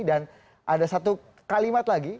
dan ada satu kalimat lagi